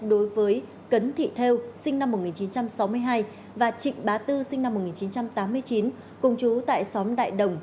đối với cấn thị theo sinh năm một nghìn chín trăm sáu mươi hai và trịnh bá tư sinh năm một nghìn chín trăm tám mươi chín cùng chú tại xóm đại đồng